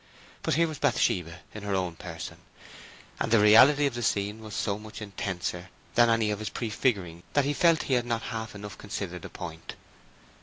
But here was Bathsheba in her own person; and the reality of the scene was so much intenser than any of his prefigurings that he felt he had not half enough considered the point.